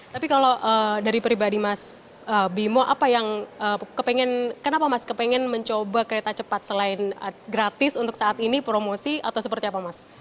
tapi kalau dari pribadi mas bimo kenapa mas kepengen mencoba kereta cepat selain gratis untuk saat ini promosi atau seperti apa mas